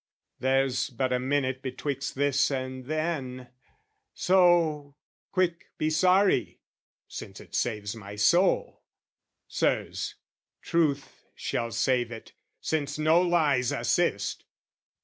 There's but a minute betwixt this and then: So, quick, be sorry since it saves my soul! Sirs, truth shall save it, since no lies assist!